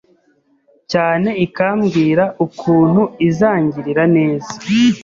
cyane ikambwira ukuntu izangirira neza